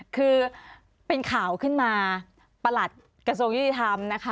คือเป็นข่าวขึ้นมาประหลัดกระทรวงยุติธรรมนะคะ